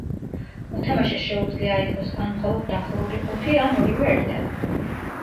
მოთამაშეს შეუძლია აიღოს ან მხოლოდ დახურული ყუთი, ან ორივე ერთად.